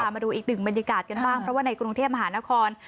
มาดูอีกหนึ่งบรรยากาศกันบ้างเพราะว่าในกรุงเทพมหานคร